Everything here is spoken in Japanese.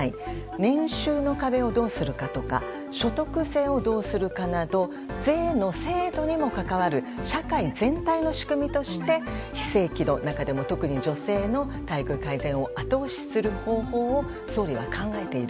年収の壁をどうするかとか所得税をどうするかといった税の制度にも関わる社会全体の仕組みとして非正規の中でも特に女性の待遇改善を後押しする方法を総理は考えている。